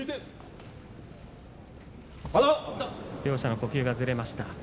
両者の呼吸がずれました。